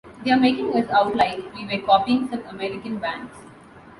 They're making us out like we were copying some American bands.